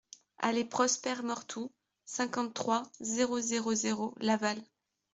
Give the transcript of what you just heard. Allée Prosper Mortou, cinquante-trois, zéro zéro zéro Laval